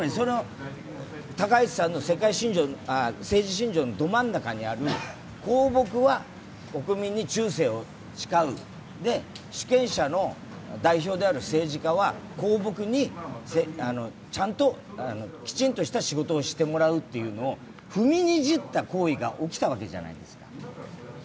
高市さんの政治信条のど真ん中にある、公僕は国民に忠誠を誓う、主権者の代表である政治家は公僕にきちんとした仕事をしてもらうというのを踏みにじった行為が起きたわけじゃないですか。